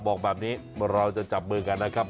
บอกแบบนี้เราจะจับมือกันนะครับ